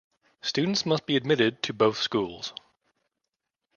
Students must be admitted to both schools.